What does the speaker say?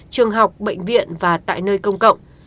trường học bệnh viện và tại nơi công cộng